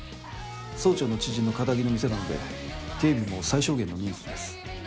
総長の知人のカタギの店なので警備も最小限の人数です。